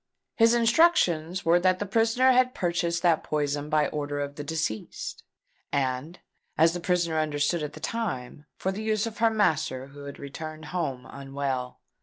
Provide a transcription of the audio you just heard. His instructions were that the prisoner had purchased that poison by order of the deceased, and, as the prisoner understood at the time, for the use of her master who had returned home unwell.